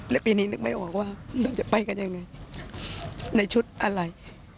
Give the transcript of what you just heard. และปีนี้นึกไม่ออกว่าเราจะไปกันยังไงในชุดอะไร